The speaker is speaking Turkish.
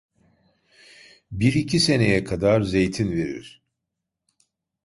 Bir iki seneye kadar zeytin verir.